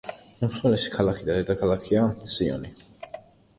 უმსხვილესი ქალაქი და დედაქალაქია სიონი.